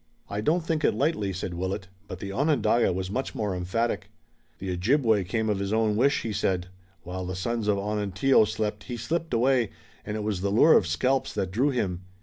"I don't think it likely," said Willet, but the Onondaga was much more emphatic. "The Ojibway came of his own wish," he said. "While the sons of Onontio slept he slipped away, and it was the lure of scalps that drew him.